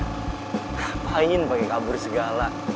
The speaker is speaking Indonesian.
ngapain pake kabur segala